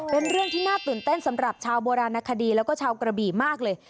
เป็นเรื่องที่น่าตื่นเต้นสำหรับชาวโบราณคดีแล้วก็ชาวกระบี่มากเลย